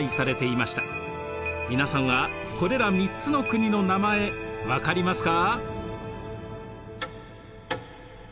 皆さんはこれら３つの国の名前分かりますか？